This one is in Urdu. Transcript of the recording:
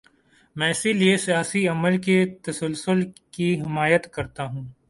میں اسی لیے سیاسی عمل کے تسلسل کی حمایت کرتا ہوں۔